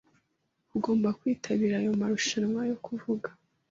Ugomba kwitabira ayo marushanwa yo kuvuga.